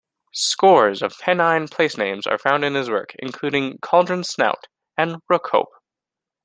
Scores of Pennine place-names are found in his work, including Cauldron Snout and Rookhope.